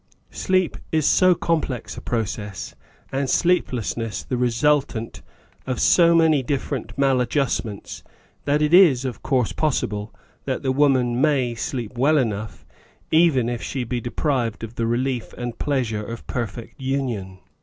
Sleep is so complex a process, and sleeplessness the resultant of so many different maladjustments, that it is, of course, possible that the woman may sleep well enough, even if she be deprived of the relief and pleasure of perfect union.